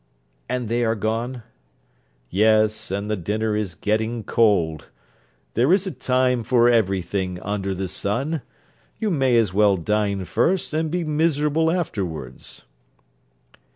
'And they are gone?' 'Yes; and the dinner is getting cold. There is a time for every thing under the sun. You may as well dine first, and be miserable afterwards.'